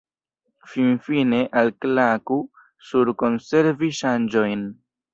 Finfine, alklaku sur Konservi ŝanĝojn.